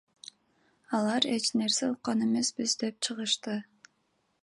Алар эч нерсе уккан эмеспиз деп чыгышты.